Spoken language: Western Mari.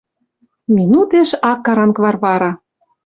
Минутеш ак каранг Варвара.